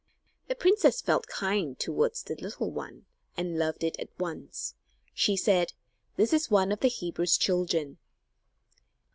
The princess felt kind toward the little one, and loved it at once. She said: "This is one of the Hebrews' children."